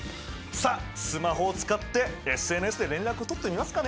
さあスマホを使ってＳＮＳで連絡をとってみますかね。